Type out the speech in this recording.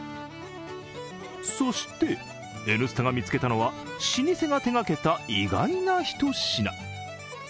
そして、「Ｎスタ」が見つけたのは老舗が手がけた意外なひと品。